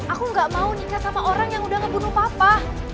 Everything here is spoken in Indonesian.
aku gak mau nikah sama orang yang udah ngebunuh papa